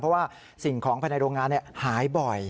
เพราะว่าสิ่งของภายในโรงงานหายบ่อย